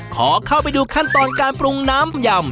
ขอเข้าไปดูขั้นตอนการปรุงน้ำยำ